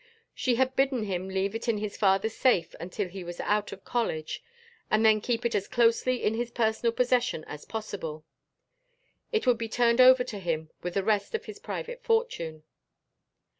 She had bidden him leave it in his father's safe until he was out of college, and then keep it as closely in his personal possession as possible. It would be turned over to him with the rest of his private fortune.